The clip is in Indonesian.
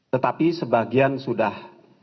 tetapi sebagian sudah